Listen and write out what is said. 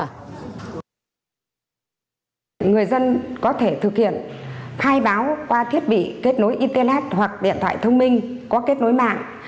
người dân có thể thực hiện khai báo qua thiết bị kết nối internet hoặc điện thoại thông minh có kết nối mạng